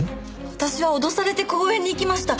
私は脅されて公園に行きました。